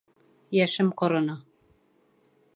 Йәшем ҡороно.